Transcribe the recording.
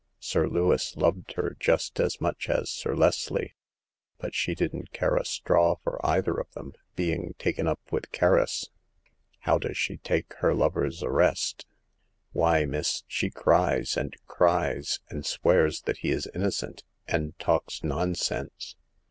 Sir Lewis loved her just as much as Sir Leslie ; but she didn't care a straw for either of them, being taken up with Kerris." " How does she take her lover's arrest ?"" Why, miss, she cries, and cries, and swears that he is innocent, and talks nonsense."